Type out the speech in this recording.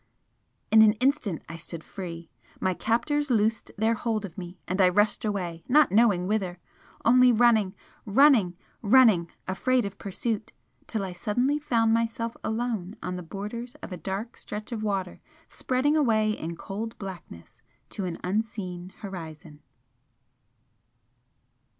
In an instant I stood free. My captors loosed their hold of me, and I rushed away, not knowing whither only running, running, running, afraid of pursuit till I suddenly found myself alone on the borders of a dark stretch of water spreading away in cold blackness to an unseen horizon.